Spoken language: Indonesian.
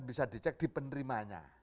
bisa dicek di penerimanya